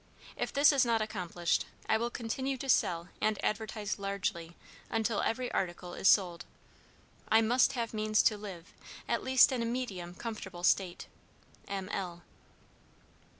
If this is not accomplished, I will continue to sell and advertise largely until every article is sold. "I must have means to live, at least in a medium comfortable state. "M. L."